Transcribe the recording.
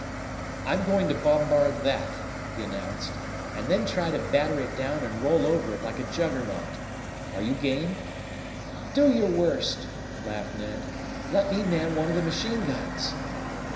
"I'm going to bombard that," he announced, and then try to batter it down and roll over it like a Juggernaut. Are you game?" "Do your worst!" laughed Ned. "Let me man one of the machine guns!"